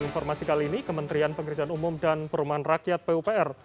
informasi kali ini kementerian pekerjaan umum dan perumahan rakyat pupr